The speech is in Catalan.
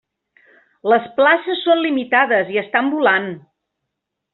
Les places són limitades i estan volant!